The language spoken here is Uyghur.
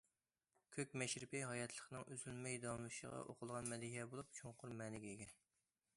‹‹ كۆك مەشرىپى›› ھاياتلىقنىڭ ئۈزۈلمەي داۋاملىشىشىغا ئوقۇلغان مەدھىيە بولۇپ، چوڭقۇر مەنىگە ئىگە.